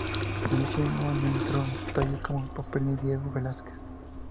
En ese mismo año entró en su taller como aprendiz Diego Velázquez.